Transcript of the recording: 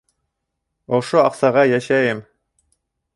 Ошо аҡсаға йәшәйем.